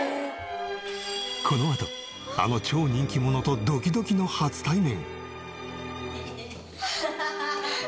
このあとあの超人気者とドキドキの初対面。